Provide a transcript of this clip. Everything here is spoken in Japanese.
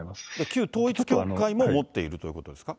旧統一教会も持っているということですか。